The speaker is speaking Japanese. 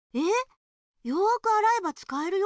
よくあらえばつかえるよ。